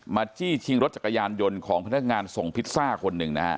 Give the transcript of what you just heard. จี้ชิงรถจักรยานยนต์ของพนักงานส่งพิซซ่าคนหนึ่งนะฮะ